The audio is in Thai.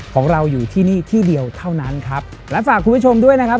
ของเราอยู่ที่นี่ที่เดียวเท่านั้นครับและฝากคุณผู้ชมด้วยนะครับ